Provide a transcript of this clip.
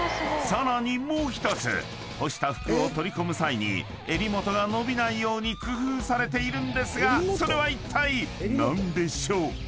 ［さらにもう１つ干した服を取り込む際に襟元が伸びないように工夫されているんですがそれはいったい何でしょう？］